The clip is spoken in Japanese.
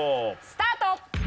スタート！